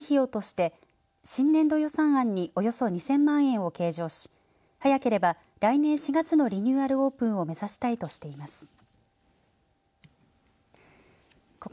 市では、関連費用として新年度予算案におよそ２０００万円を計上し早ければ来年４月のリニューアルオープンを目指したいとしています。